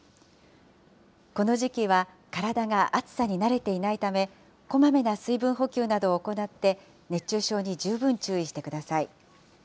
この時期は体が暑さに慣れていないため、こまめな水分補給などを行って熱中症に十分注意してください。